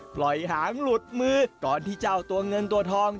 หางหลุดมือก่อนที่เจ้าตัวเงินตัวทอง